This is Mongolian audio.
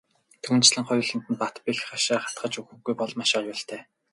Түүнчлэн хоёуланд нь бат бэх хашаа хатгаж өгөхгүй бол маш аюултай.